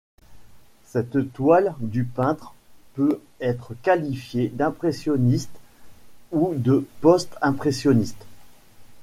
Cette toile du peintre peut être qualifiée d'impressionniste ou de post-impressionniste.